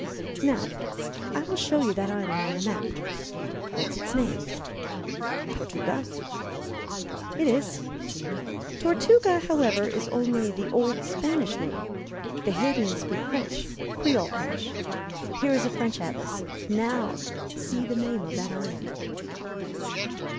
Now, I will show you that island on the map. What is its name?" "Tortuga." "It is. 'Tortuga,' however, is only the old Spanish name; the Haytians speak French Creole French. Here is a French atlas: now see the name of that island."